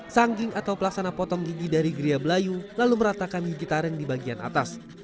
sangging atau pelaksana potong gigi dari gria belayu lalu meratakan gigi taring di bagian atas